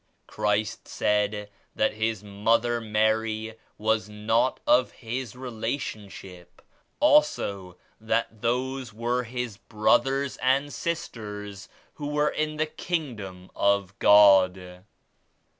Christ said that His mother Mary was not of His Relationship ; also that those were his brothers and sisters who were in the Kingdom of God."